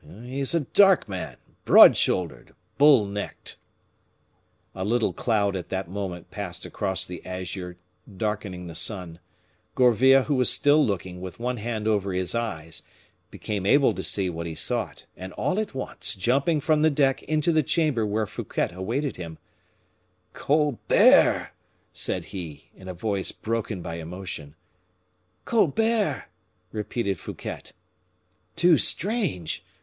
"He is a dark man, broad shouldered, bull necked." A little cloud at that moment passed across the azure, darkening the sun. Gourville, who was still looking, with one hand over his eyes, became able to see what he sought, and all at once, jumping from the deck into the chamber where Fouquet awaited him: "Colbert!" said he, in a voice broken by emotion. "Colbert!" repeated Fouquet. "Too strange!